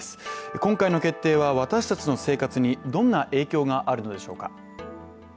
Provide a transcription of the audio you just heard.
今回の決定は私たちの生活にどんな影響があるのでしょうか。